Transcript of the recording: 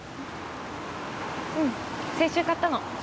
うん先週買ったの。